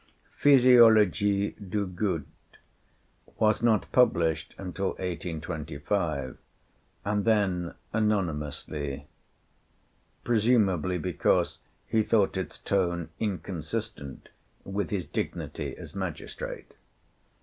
'Physiologic du Goût' was not published until 1825, and then anonymously, presumably because he thought its tone inconsistent with his dignity as magistrate.